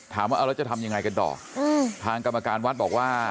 ถามว่าเอาแล้วจะทำยังไงกันต่ออืมทางกรรมการวัดบอกว่า